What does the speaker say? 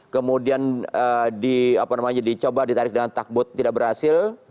kemudian dicoba ditarik dengan takbut tidak berhasil